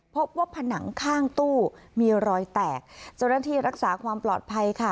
พบว่าผนังข้างตู้มีรอยแตกเจ้าหน้าที่รักษาความปลอดภัยค่ะ